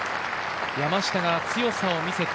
山下が強さを見せた。